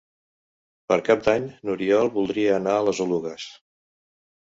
Per Cap d'Any n'Oriol voldria anar a les Oluges.